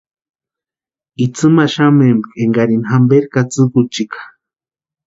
Itsïmaxamempka énkarini jamperu katsïkuchika.